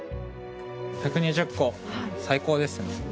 １２０個最高ですね。